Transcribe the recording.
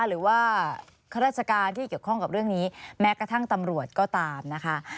หรือว่าข้าราชการที่เกี่ยวข้องกับเรื่องนี้แม้กระทั่งตำรวจก็ตามนะคะ